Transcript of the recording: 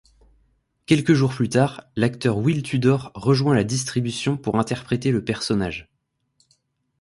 Quelques jours plus tard, l'acteur Will Tudor rejoint la distribution pour interpréter le personnage.